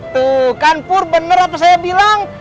tuh kan pur bener apa saya bilang